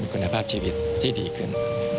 คุณภาพชีวิตที่ดีขึ้น